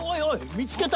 見つけた！